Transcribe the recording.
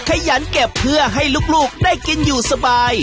ขยันเก็บเพื่อให้ลูกได้กินอยู่สบาย